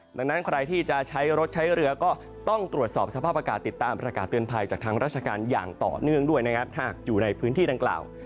ดังนั้นใครที่จะใช้รถใช้เรือก็ต้องตรวจสอบสภาพอากาศติดตามประกาศเตือนภัยจากทางราชการอย่างต่อเนื่องด้วยนะครับหากอยู่ในพื้นที่ดังกล่าว